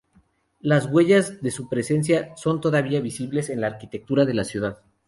Las huellas de su presencia son todavía visibles en la arquitectura de la ciudad.